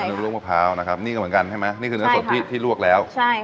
ลูกมะพร้าวนะครับนี่ก็เหมือนกันใช่ไหมนี่คือเนื้อสดที่ที่ลวกแล้วใช่